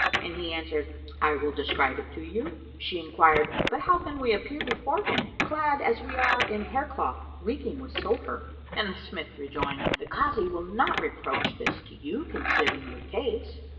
and he answered, "I will describe it to you." She enquired, "But how can we appear before him, clad as we are in haircloth reeking with sulphur?" And the smith rejoined, "The Kazi will not reproach this to you, considering your case."